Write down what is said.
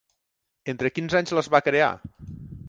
Entre quins anys les va crear?